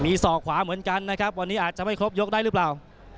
มีศอกขวาเหมือนกันนะครับวันนี้อาจจะไม่ครบยกได้หรือเปล่า